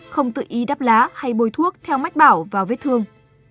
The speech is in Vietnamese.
không tự ý đắp lá hay bôi thuốc theo mách bảo vào vết thương